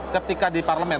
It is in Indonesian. ketika di parlemen